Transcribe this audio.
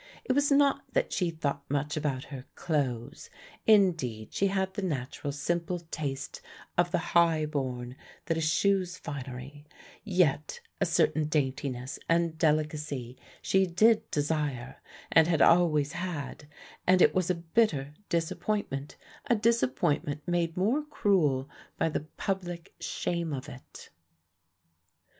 It was not that she thought much about her clothes; indeed she had the natural simple taste of the high born that eschews finery, yet a certain daintiness and delicacy she did desire and had always had, and it was a bitter disappointment, a disappointment made more cruel by the public shame of it.